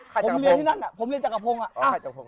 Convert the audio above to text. ผมเรียนจังหกโพงอ่ะ